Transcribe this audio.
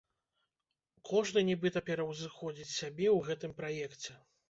Кожны нібыта пераўзыходзіць сябе ў гэтым праекце.